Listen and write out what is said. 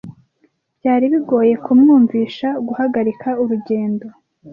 Byari bigoye kumwumvisha guhagarika urugendo.